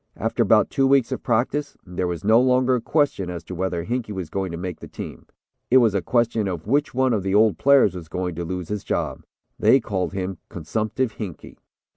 After about two weeks of practice, there was no longer a question as to whether Hinkey was going to make the team. It was a question of which one of the old players was going to lose his job. They called him 'consumptive Hinkey.'"